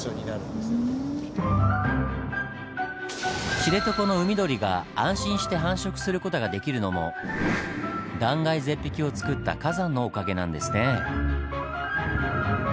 知床の海鳥が安心して繁殖する事ができるのも断崖絶壁をつくった火山のおかげなんですねぇ。